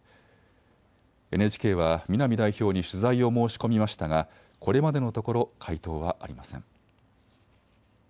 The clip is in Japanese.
ＮＨＫは南代表に取材を申し込みましたが、これまでのところ、回答はありません。